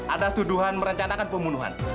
ada tuduhan merencanakan pembunuhan